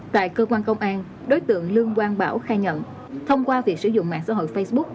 tại cơ quan công an đối tượng lương quang bảo khai nhận thông qua việc sử dụng mạng xã hội facebook